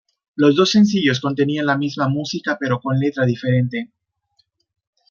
Los dos sencillos contenían la misma música pero con letra diferente.